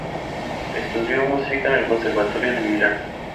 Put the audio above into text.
Estudió música en el conservatorio de Milán.